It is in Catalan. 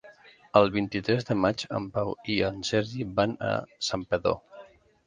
El vint-i-tres de maig en Pau i en Sergi van a Santpedor.